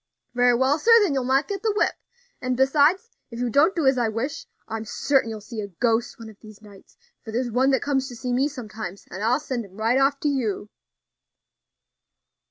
"Very well, sir, then you'll not get the whip; and, besides, if you don't do as I wish, I'm certain you'll see a ghost one of these nights; for there's one comes to see me sometimes, and I'll send him right off to you."